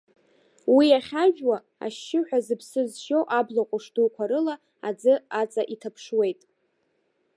Уи ахьажәуа, ашьшьыҳәа, зыԥсы зшьо абла ҟәыш дуқәа рыла аӡы аҵа иҭаԥшуеит.